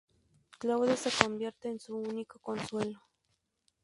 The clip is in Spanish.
Claudia se convierte en su único consuelo.